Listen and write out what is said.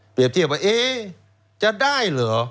เปรียบเทียบว่าเอ๊จะได้เหรอ